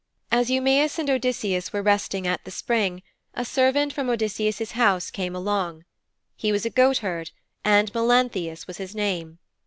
As Eumæus and Odysseus were resting at the spring, a servant from Odysseus' house came along. He was a goatherd, and Melanthius was his name.